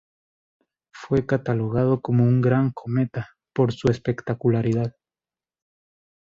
Fue catalogado como un Gran cometa, por su espectacularidad.